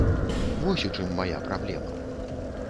Вось у чым мая праблема.